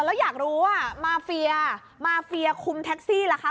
แล้วอยากรู้มาเฟีย่มาเฟีย่กุ้มแท็กซี่ล่ะครับ